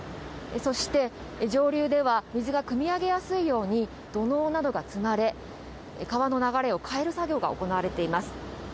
そして上流では水がくみ上げやすいように土のうなどが積まれ川の流れを変える作業が行われています